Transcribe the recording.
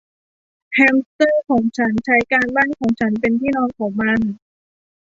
แฮมสเตอร์ของฉันใช้การบ้านของฉันเป็นที่นอนของมัน